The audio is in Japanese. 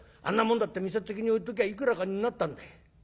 あんなもんだって店っ先に置いときゃいくらかになったんだ。